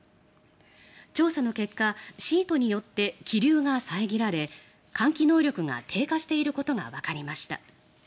調査の結果シートによって気流が遮られ換気能力が低下していることがわかりました。